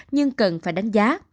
nhưng cần phải đánh giá